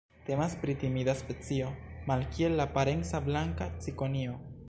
Temas pri timida specio, malkiel la parenca Blanka cikonio.